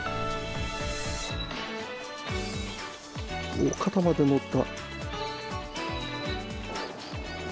おっ肩までのった。